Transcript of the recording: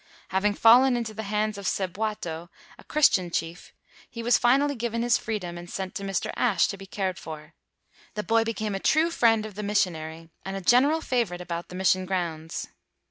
Having fallen into the hands of Sebwato, a Chris tian chief, he was finally given his freedom and sent to Mr. Ashe to be cared for. The boy became a true friend of the missionary and a general favorite about the mission grounds.